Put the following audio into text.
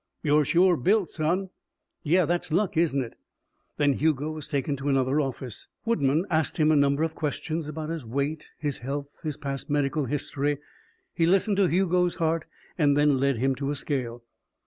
"You're sure built, son." "Yeah. That's luck, isn't it?" Then Hugo was taken to another office. Woodman asked him a number of questions about his weight, his health, his past medical history. He listened to Hugo's heart and then led him to a scale.